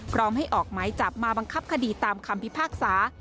พร้อมให้ออกหมายจับมาบังคับคดีตามคำพิพากษา